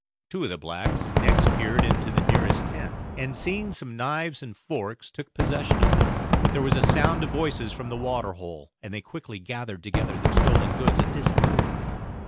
Two of the blacks next peered into the nearest tent, and seeing some knives and forks, took possession of them. But there was a sound of voices from the waterhole, and they quickly gathered together their stolen goods and disappeared.